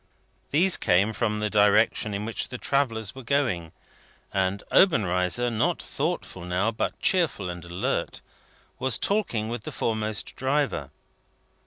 These came from the direction in which the travellers were going, and Obenreizer (not thoughtful now, but cheerful and alert) was talking with the foremost driver.